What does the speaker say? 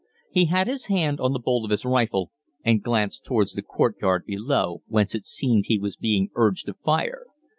He had his hand on the bolt of his rifle, and glanced towards the courtyard below, whence it seemed he was being urged to fire.